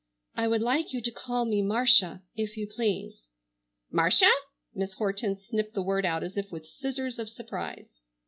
"I would like you to call me Marcia, if you please." "Marcia!" Miss Hortense snipped the word out as if with scissors of surprise.